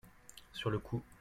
sur le coup.